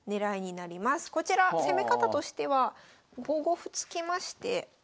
こちら攻め方としては５五歩突きまして。